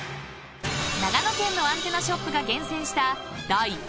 ［長野県のアンテナショップが厳選した］